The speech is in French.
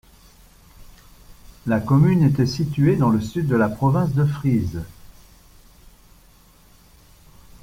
La commune était située dans le sud de la province de Frise.